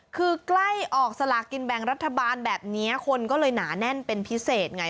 คือใกล้ออกสลากินแบ่งรัฐบาลแบบนี้คนก็เลยหนาแน่นเป็นพิเศษไง